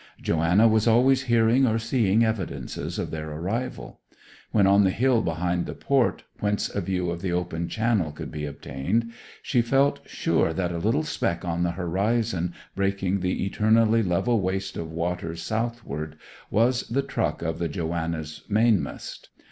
Joanna was always hearing or seeing evidences of their arrival. When on the hill behind the port, whence a view of the open Channel could be obtained, she felt sure that a little speck on the horizon, breaking the eternally level waste of waters southward, was the truck of the Joana's mainmast.